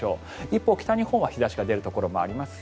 一方、北日本は日差しが出るところもあります。